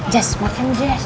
jess makan jess